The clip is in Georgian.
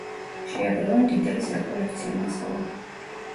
შეაგროვა მდიდარი საკოლექციო მასალა.